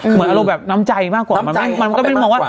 เหมือนอารมณ์แบบน้ำใจมากกว่าน้ำใจมันก็ไม่มองว่า